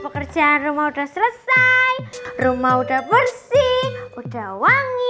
kalau gue of dla